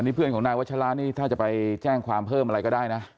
นี่เพื่อนของนายวัชรานี่ถ้าจะไปแจ้งความเพิ่มอะไรก็ได้นะ